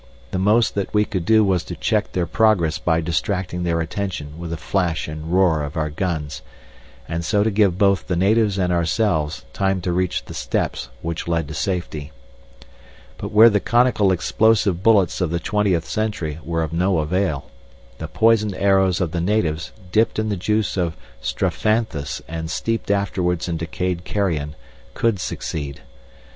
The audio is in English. The most that we could do was to check their progress by distracting their attention with the flash and roar of our guns, and so to give both the natives and ourselves time to reach the steps which led to safety. But where the conical explosive bullets of the twentieth century were of no avail, the poisoned arrows of the natives, dipped in the juice of strophanthus and steeped afterwards in decayed carrion, could succeed.